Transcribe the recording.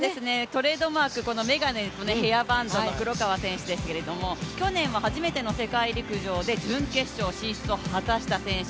トレードマーク眼鏡とヘアバンドの黒川選手ですけれども、去年は初めての世界陸上で準決勝進出を果たした選手。